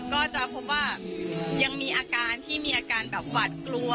ก็จะพบว่ายังมีอาการที่มีอาการแบบหวาดกลัว